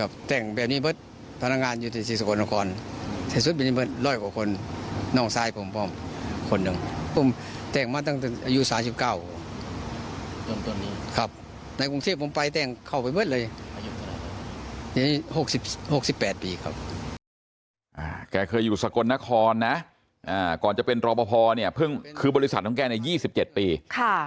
บางคนก็สงสัยว่าแต่งตัวน่ะคือตำรวจแท่งเขานะ